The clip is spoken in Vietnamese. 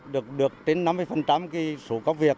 được được trên năm mươi cái số công việc